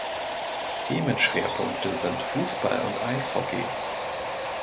Themenschwerpunkte sind Fußball und Eishockey.